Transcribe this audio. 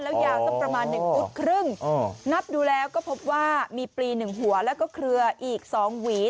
แล้วยาวสักประมาณ๑ฟุตครึ่งนับดูแล้วก็พบว่ามีปลี๑หัวแล้วก็เครืออีก๒หวี